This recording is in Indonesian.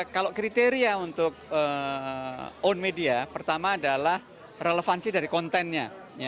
kalau kriteria untuk own media pertama adalah relevansi dari kontennya